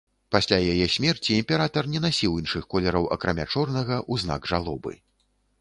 Пасля яе смерці імператар не насіў іншых колераў акрамя чорнага ў знак жалобы.